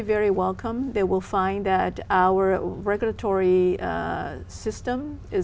vì vậy tôi nghĩ một công ty việt nam